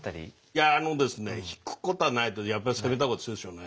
いやあのですね引くことはないとやっぱり攻めた方が強いでしょうね。